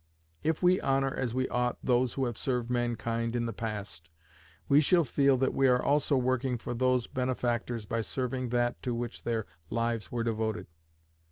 If we honour as we ought those who have served mankind in the past, we shall feel that we are also working for those benefactors by serving that to which their lives were devoted.